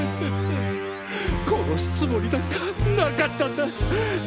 殺すつもりなんかなかったんだ。